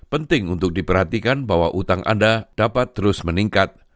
penting untuk diperhatikan bahwa utang anda dapat terus meningkat